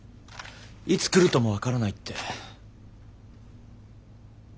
いつ来るとも分からないって。